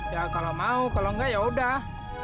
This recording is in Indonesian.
ya kalau mau kalau nggak yaudah